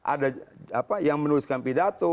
ada apa yang menuliskan pidato